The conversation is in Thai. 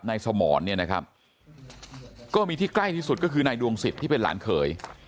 สมรเนี่ยนะครับก็มีที่ใกล้ที่สุดก็คือนายดวงสิทธิ์ที่เป็นหลานเขย